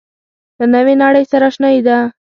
له نوې نړۍ سره آشنايي ده.